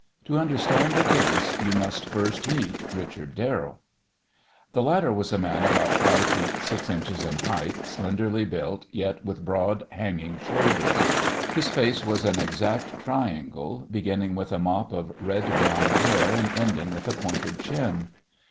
To understand the case, you must first meet Richard Darrell. The latter was a man about five feet six inches in height, slenderly built, yet with broad, hanging shoulders. His face was an exact triangle, beginning with a mop of red brown hair, and ending with a pointed chin.